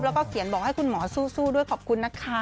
แล้วก็เขียนบอกให้คุณหมอสู้ด้วยขอบคุณนะคะ